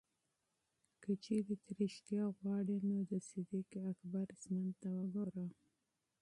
که چېرې ته ریښتیا غواړې، نو د صدیق اکبر ژوند ته وګوره.